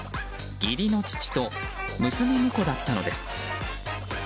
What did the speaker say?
義理の父と娘婿だったのです。